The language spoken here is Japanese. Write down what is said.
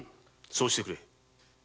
そうしてくれ。